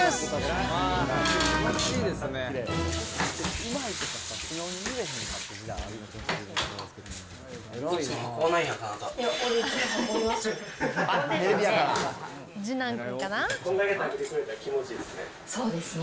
これだけ食べてくれたら気持ちいいですね。